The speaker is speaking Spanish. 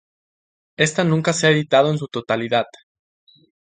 Esta nunca se ha editado en su totalidad.